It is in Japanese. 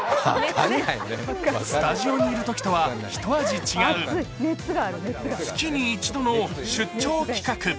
スタジオにいるときとは一味違う月に一度の出張企画。